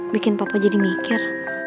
bikin papa jadi mikir